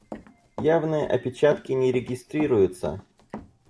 Явные опечатки не регистрируются.